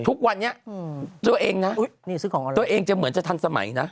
ทุกวันนี้ตัวเองนะตัวเองจะเหมือนจะทันสมัยนะ